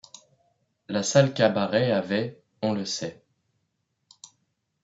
La salle-cabaret avait, on le sait